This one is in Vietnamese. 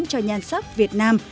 cho nhan sắc việt nam